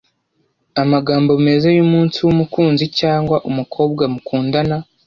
amagambo meza yumunsi wumukunzi cyangwa umukobwa mukundana